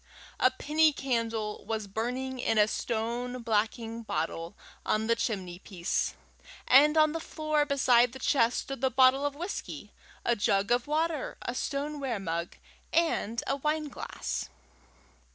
A penny candle was burning in a stone blacking bottle on the chimney piece, and on the floor beside the chest stood the bottle of whisky, a jug of water, a stoneware mug, and a wineglass.